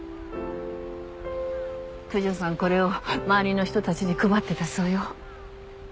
九条さんこれを周りの人たちに配ってたそうよ。